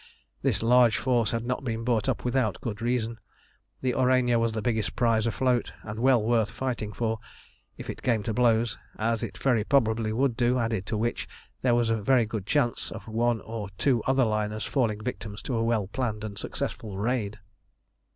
This large force had not been brought up without good reason. The Aurania was the biggest prize afloat, and well worth fighting for, if it came to blows, as it very probably would do; added to which there was a very good chance of one or two other liners falling victims to a well planned and successful raid.